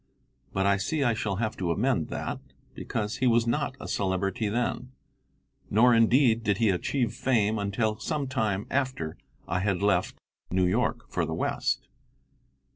But I see I shall have to amend that, because he was not a celebrity then, nor, indeed, did he achieve fame until some time after I had left New York for the West.